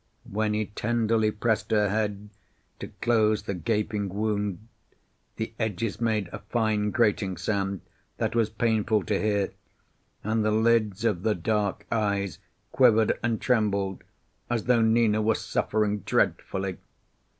When he tenderly pressed her head to close the gaping wound, the edges made a fine grating sound, that was painful to hear, and the lids of the dark eyes quivered and trembled as though Nina were suffering dreadfully.